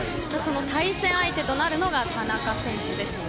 対戦相手となるのが田中選手です。